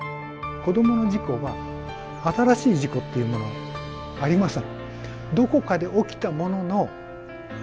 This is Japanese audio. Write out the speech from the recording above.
子どもの事故は新しい事故っていうものはありません。